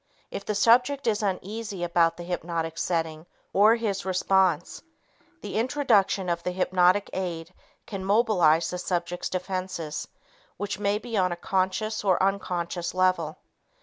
If the subject is uneasy about the hypnotic setting or his response, the introduction of the hypnotic aid can mobilize the subject's defenses which may be on a conscious or unconscious level.